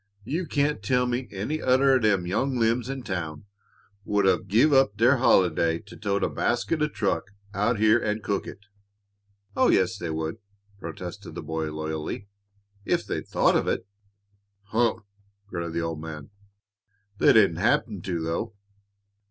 You can't tell me any other o' them young limbs in town would of give up their holiday to tote a basket o' truck out here an' cook it." "Oh, yes, they would!" protested the boy, loyally, "if they'd thought of it." "Humph!" grunted the old man. "They didn't happen to, though."